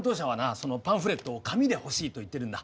そのパンフレットを紙で欲しいと言ってるんだ。